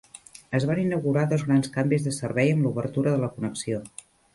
Es van inaugurar dos grans canvis de servei amb l'obertura de la connexió.